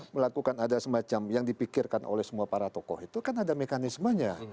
melakukan ada semacam yang dipikirkan oleh semua para tokoh itu kan ada mekanismenya